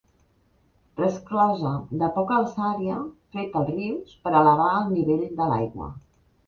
Resclosa de poca alçària fet als rius per elevar el nivell de l'aigua.